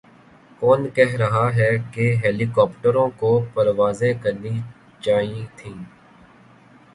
کون کہہ رہاہے کہ ہیلی کاپٹروں کو پروازیں کرنی چائیں تھیں۔